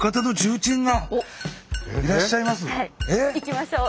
はい行きましょう。